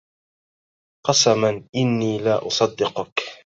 قسما! "إني لا أصدّقك!"